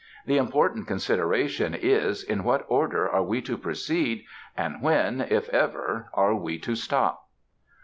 The important consideration is, in what order are we to proceed and when, if ever, are we to stop?"